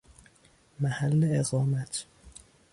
محل اقامت